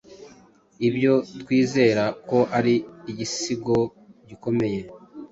ibyo twizera ko ari igisigo gikomeye